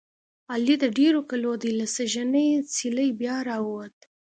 علي د ډېرو کلو دی. له سږنۍ څېلې بیا را ووت.